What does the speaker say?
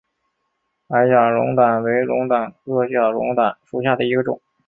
矮假龙胆为龙胆科假龙胆属下的一个种。